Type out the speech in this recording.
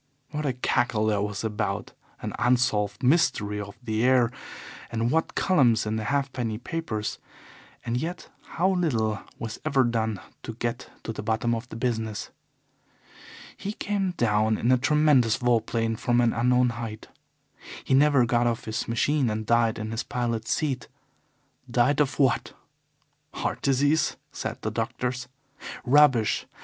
What a cackle there was about an unsolved mystery of the air, and what columns in the halfpenny papers, and yet how little was ever done to get to the bottom of the business! He came down in a tremendous vol plane from an unknown height. He never got off his machine and died in his pilot's seat. Died of what? 'Heart disease,' said the doctors. Rubbish!